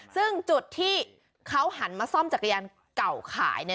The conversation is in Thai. ซึ่งจุดที่เขาหันมาซ่อมจักรยานเก่าขาย